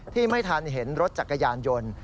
ที่ไม่ทันเห็นรถจักรยานยนต์